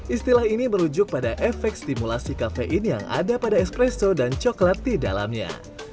istilah ini merujuk pada efek stimulasi kafein yang ada pada espresso dan coklat di dalamnya